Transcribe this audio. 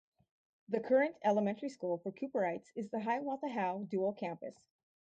The current elementary school for Cooperites is the Hiawatha-Howe dual campus.